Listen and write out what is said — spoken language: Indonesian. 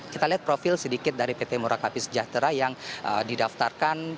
kita lihat profil sedikit dari pt murakapi sejahtera yang didaftarkan